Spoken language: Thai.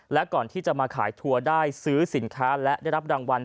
และก่อนที่จะมาขายทัวร์ได้ซื้อสินค้าและได้รับรางวัล